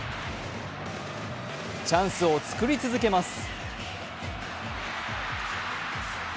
チャンスを作り続けます。